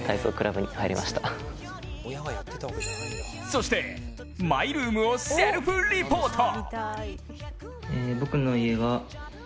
そして、マイルームをセルフリポート！